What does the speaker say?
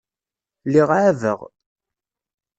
Lliɣ ɛabeɣ.